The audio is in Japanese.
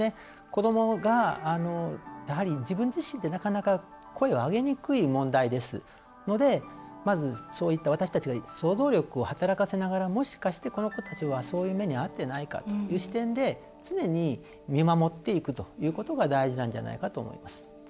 子どもが自分自身でなかなか声を上げにくい問題ですのでまず私たちが想像力を働かせながらもしかして、この子たちはそういう目に遭ってないかという視点で常に見守っていくということが大事なんじゃないかと思います。